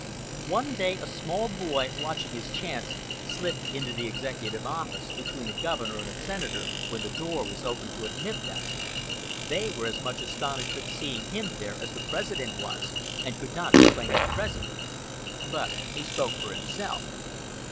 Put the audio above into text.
One day a small boy, watching his chance, slipped into the Executive Office between a governor and a senator, when the door was opened to admit them. They were as much astonished at seeing him there as the President was, and could not explain his presence; but he spoke for himself.